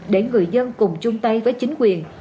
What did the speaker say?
để người dân cùng chung tay với chính quyền